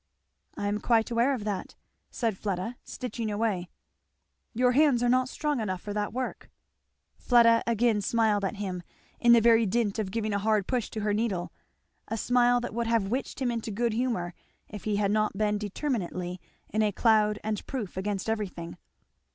"I am quite aware of that," said Fleda, stitching away. "Your hands are not strong enough for that work!" Fleda again smiled at him, in the very dint of giving a hard push to her needle; a smile that would have witched him into good humour if he had not been determinately in a cloud and proof against everything.